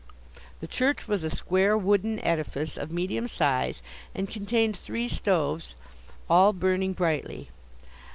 The church was a square wooden edifice, of medium size, and contained three stoves all burning brightly.